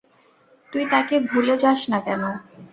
তুই তাকে ভুলে যাস না কেন?